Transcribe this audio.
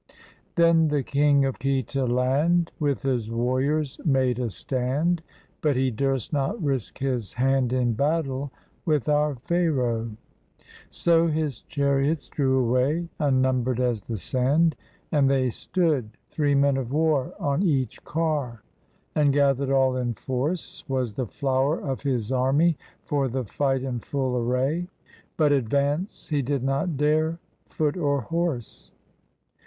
] Then the king of Khita land, With his warriors made a stand, But he durst not risk his hand In battle with our Pharaoh; So his chariots drew away, Unnumbered as the sand, And they stood, three men of war On each car; And gathered all in force Was the flower of his army, for the fight in full array, But advance, he did not dare, Foot or horse.